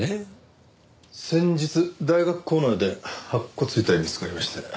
先日大学構内で白骨遺体が見つかりまして。